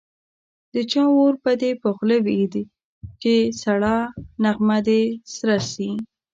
د چا اور به دي په خوله وي چي سړه نغمه دي سره سي